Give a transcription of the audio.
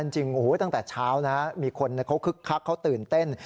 จริงตั้งแต่เช้านะมีคนเขาคึกคักเขาตื่นเต้น